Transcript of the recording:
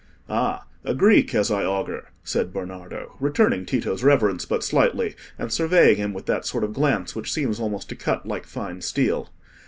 "Ah, a Greek, as I augur," said Bernardo, returning Tito's reverence but slightly, and surveying him with that sort of glance which seems almost to cut like fine steel.